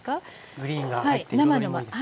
グリーンが入って彩りもいいです。